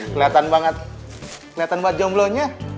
keliatan banget keliatan banget jomblo nya